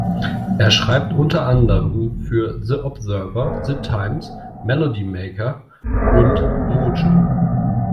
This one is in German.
Er schreibt unter anderem für "The Observer", "The Times", "Melody Maker" und "Mojo".